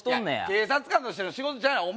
警察官としての仕事ちゃうやん